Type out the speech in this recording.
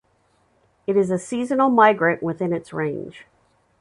It is a seasonal migrant within its range.